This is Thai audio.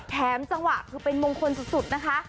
เพราะว่าคือเป็นมงคลสุดนะคะ